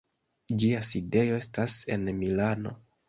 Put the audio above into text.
Ĝia sidejo estas en Milano.